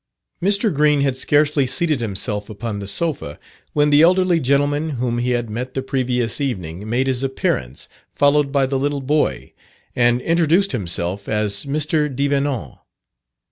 Mr. Green had scarcely seated himself upon the sofa, when the elderly gentleman whom he had met the previous evening made his appearance, followed by the little boy, and introduced himself as Mr. Devenant.